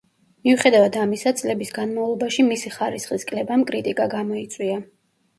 მიუხედავად ამისა, წლების განმავლობაში მისი ხარისხის კლებამ კრიტიკა გამოიწვია.